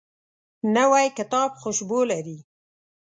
نوی کتاب خوشبو لري